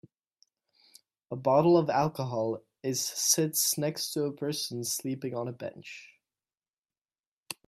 A bottle of alcohol is sits next to a person sleeping on a bench.